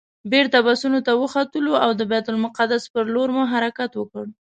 بېرته بسونو ته وختلو او د بیت المقدس پر لور مو حرکت وکړ.